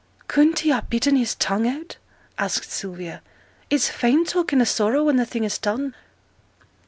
'Couldn't he ha' bitten his tongue out?' asked Sylvia. 'It's fine talking o' sorrow when the thing is done!'